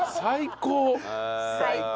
最高！